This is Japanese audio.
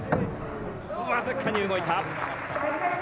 わずかに動いた。